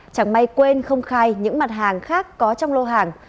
chẳng may quên không khai những mặt hàng khác có trong lô hàng